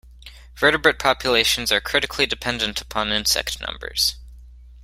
Vertebrate populations are critically dependent upon insect numbers.